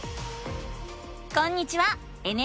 こんにちは！